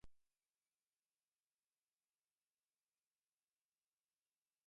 Null alleles can have lethal effects.